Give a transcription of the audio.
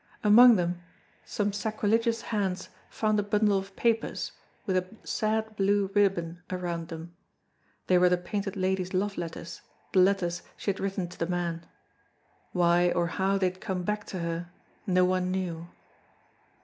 Among them some sacrilegious hands found a bundle of papers with a sad blue ribbon round them. They were the Painted Lady's love letters, the letters she had written to the man. Why or how they had come back to her no one knew.